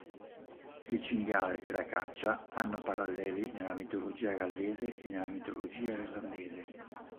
Il cinghiale e la caccia hanno paralleli nella mitologia gallese e nella mitologia irlandese.